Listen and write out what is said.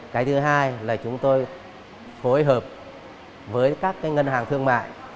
cái thứ hai là chúng tôi phối hợp với các ngân hàng thương mại